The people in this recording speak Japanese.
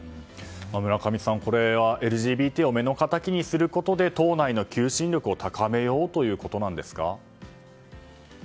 村上さん、これはＬＧＢＴを目の敵にすることで党内の求心力を高めようということですか？